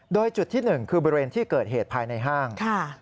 โดยจุดที่๑คือบริเวณที่เกิดเหตุภายในห้าง